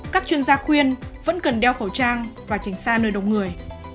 các chuyên gia khuyên vẫn cần đeo khẩu trang và tránh xa nơi đông người